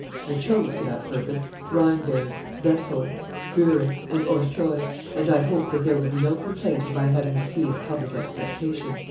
. I chose, for that purpose, Rheinberg, Wesel, Burick, and Orsoy, and I hope that there will be no complaint of my having deceived public expectation."